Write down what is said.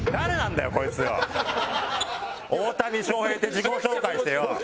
大谷翔平って自己紹介してよ。